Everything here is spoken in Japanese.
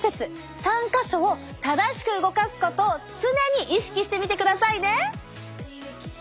３か所を正しく動かすことを常に意識してみてくださいね！